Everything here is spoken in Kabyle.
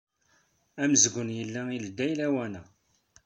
Amezgun yella ileddey lawan-a.